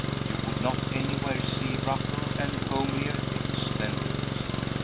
You would not anywhere see rougher and homelier things than these.